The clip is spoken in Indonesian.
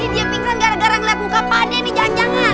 dia pingsan gara gara ngeliat muka pak de nih jangan jangan